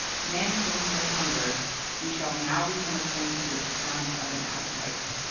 Man has only known hunger; he shall now become acquainted with the charms of an appetite.